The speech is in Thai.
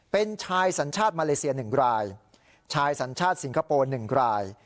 เป็นชายสัญชาติมาเลเซีย๑รายชายสัญชาติสิงคโปร์๑ราย